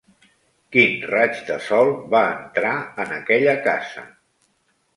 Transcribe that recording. Quin raig de sol va entrar en aquella casa